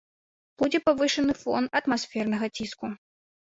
Будзе павышаны фон атмасфернага ціску.